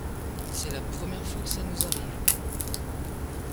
C’est la première fois que ça nous arrive. ..